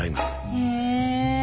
へえ。